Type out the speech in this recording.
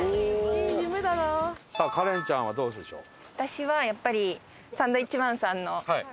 さあカレンちゃんはどうでしょう？